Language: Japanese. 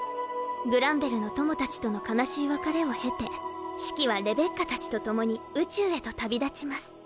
グランベルの友たちとの悲しい別れを経てシキはレベッカたちと共に宇宙へと旅立ちます。